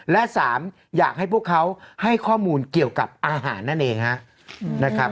และ๓อยากให้พวกเขาให้ข้อมูลเกี่ยวกับอาหารนั่นเองครับ